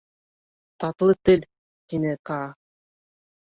Татлы тел... — тине Каа.